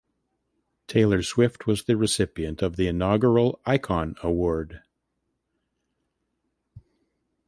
Taylor Swift was the recipient of the inaugural "Icon" award.